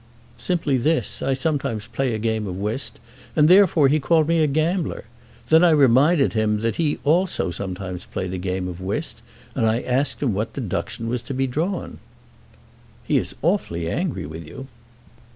"Simply this. I sometimes play a game of whist, and therefore he called me a gambler. Then I reminded him that he also sometimes played a game of whist, and I asked him what deduction was to be drawn." "He is awfully angry with you."